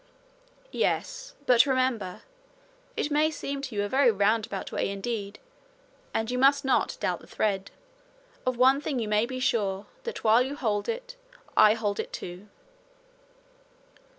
'Yes. But, remember, it may seem to you a very roundabout way indeed, and you must not doubt the thread. Of one thing you may be sure, that while you hold it, I hold it too.'